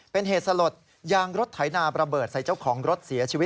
เป็นเหตุสลดยางรถไถนาประเบิดใส่เจ้าของรถเสียชีวิต